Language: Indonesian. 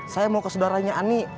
saya mau ke saudaranya ani